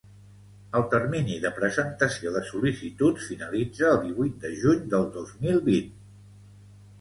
El termini de presentació de sol·licituds finalitza el divuit de juny del dos mil vint.